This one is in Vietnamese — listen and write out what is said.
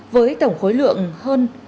với tổng khối lượng hơn